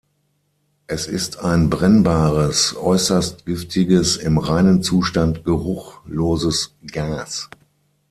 Es ist ein brennbares, äußerst giftiges, im reinen Zustand geruchloses Gas.